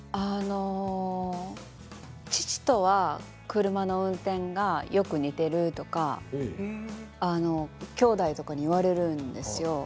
父とは車の運転がよく似ているとかきょうだいとかに言われるんです。